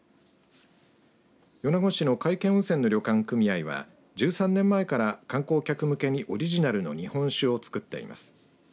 米子市の皆生温泉の旅館組合は１３年前から観光客向けにオリジナルの日本酒をつくっています。